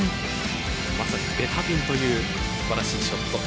まさにベタピンという素晴らしいショット。